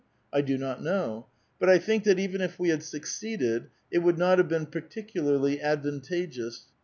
I do not know, but I thiuk that, even if we had succeeded, it would not have been par ticularly advantageous.